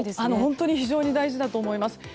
本当に非常に大事だと思います。